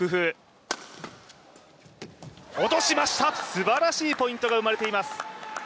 すばらしいポイントが生まれています。